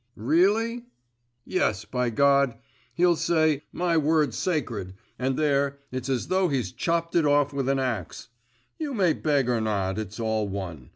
'Really?' 'Yes, by God. He'll say, "My word's sacred!" and there, it's as though he's chopped it off with an axe. You may beg or not, it's all one.